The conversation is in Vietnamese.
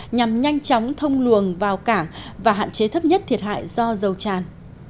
nhằm nhanh chóng thông luồng vào cảng và hạn chế thấp nhất thiệt hại do dầu tràn